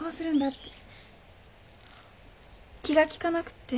気が利かなくて。